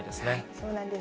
そうなんです。